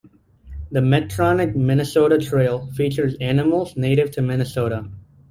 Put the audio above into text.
The Medtronic Minnesota Trail features animals native to Minnesota.